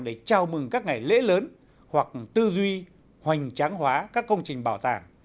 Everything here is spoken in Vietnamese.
để chào mừng các ngày lễ lớn hoặc tư duy hoành tráng hóa các công trình bảo tàng